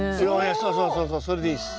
そうそうそうそうそれでいいです。